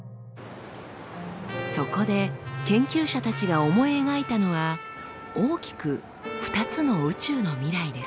そこで研究者たちが思い描いたのは大きく２つの宇宙の未来です。